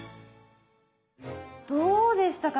どうでしたか？